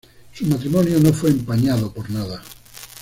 Su matrimonio no fue empañado por nada.